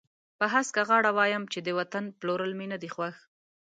په هسکه غاړه وایم چې د وطن پلورل مې نه دي خوښ.